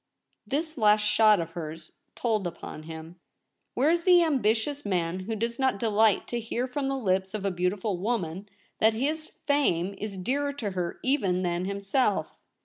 This last shot of hers told upon him. Where is the ambitious man who does not delight to hear from the lips of a beautiful woman that his fame is dearer to her even LITERA SCRIPTA than himself?